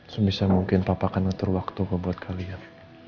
semisal mungkin papa akan atur waktu gue buat kalian